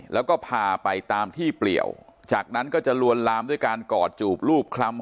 แล้วก็พาไปตามที่เปลี่ยวจากนั้นก็จะลวนลามด้วยการกอดจูบรูปคล้ำ